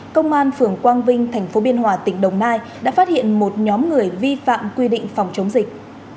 công an phường quang vinh tp biên hòa tỉnh đồng nai đã phát hiện một nhóm người vi phạm quy định phòng chống dịch